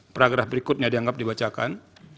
program berikutnya dianggap dibacakan